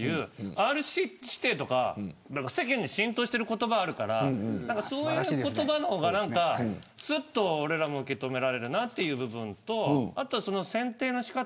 Ｒ指定とか世間に浸透している言葉があるからそういう言葉の方がなんかすっと俺らも受け止められるなという部分とあとは、その選定の仕方。